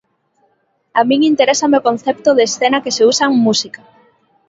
A min interésame o concepto de escena que se usa en música.